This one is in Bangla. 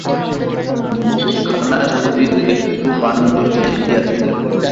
মুখখানা শশীর একটু পাংশু দেখাইতেছিল।